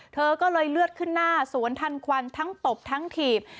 เธอก็เลยเลือดขึ้นหน้าสวนทันควันทั้งตบทั้งถีบ